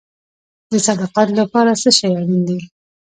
د صداقت لپاره څه شی اړین دی؟